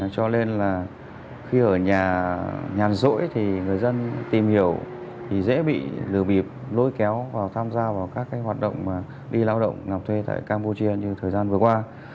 cho nên là khi ở nhà nhàn rỗi thì người dân tìm hiểu thì dễ bị lừa bịp lôi kéo vào tham gia vào các hoạt động đi lao động làm thuê tại campuchia như thời gian vừa qua